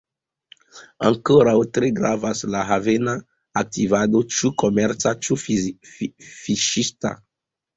Ankoraŭ tre gravas la havena aktivado, ĉu komerca, ĉu fiŝista.